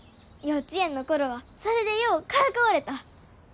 幼稚園の頃はそれでようからかわれた。